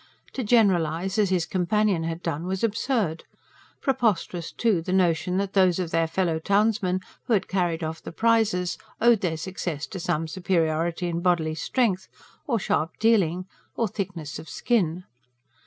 To generalise as his companion had done was absurd. Preposterous, too, the notion that those of their fellow townsmen who had carried off the prizes owed their success to some superiority in bodily strength ... or sharp dealing ... or thickness of skin.